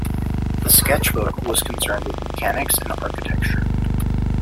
The sketchbook was concerned with mechanics and architecture.